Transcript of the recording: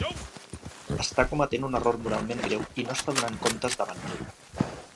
Està cometent un error moralment greu i no està donant comptes davant Déu...